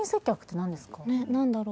何だろう？